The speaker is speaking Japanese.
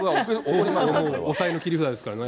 抑えの切り札ですからね。